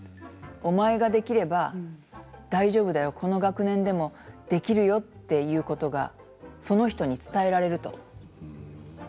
お前ができれば、大丈夫だよこの学年でもできるよっていうことがその人に伝えられると。